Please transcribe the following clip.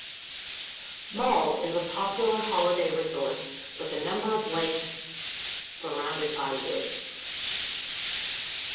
Mol is a popular holiday resort, with a number of lakes surrounded by woods.